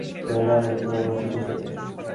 তোর নামের উপর আমরা থু থু ফেলি।